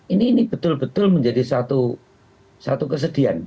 ini betul betul menjadi satu kesedihan